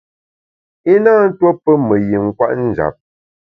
I na tuo pe me yin kwet njap.